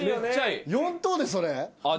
４等でそれ？